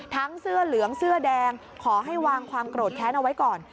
เสื้อเหลืองเสื้อแดงขอให้วางความโกรธแค้นเอาไว้ก่อน